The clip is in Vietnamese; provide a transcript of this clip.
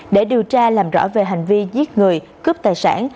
để điều tra làm rõ về hành vi giết người cướp tài sản